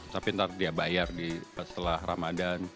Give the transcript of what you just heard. tapi ntar dia bayar setelah ramadhan